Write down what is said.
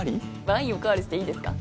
ワインおかわりしていいですか？